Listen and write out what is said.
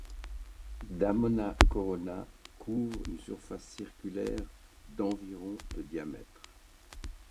Damona Corona couvre une surface circulaire d'environ de diamètre.